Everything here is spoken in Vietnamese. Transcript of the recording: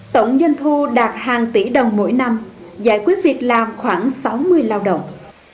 tổng doanh thu đạt hàng tỷ đồng mỗi năm giải quyết việc làm khoảng sáu mươi lao động